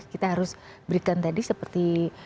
kita harus berikan tadi seperti